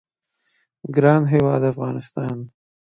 ګران هیواد افغانستان